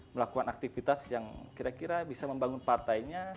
melakukan aktivitas yang kira kira bisa membangun partainya